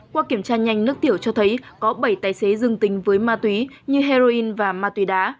qua kiểm tra nhanh nước tiểu cho thấy có bảy tài xế dương tính với ma túy như heroin và ma túy đá